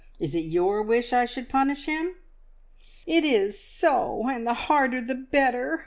Is it your wish I should punish him?" "It is so! And the harder the better!"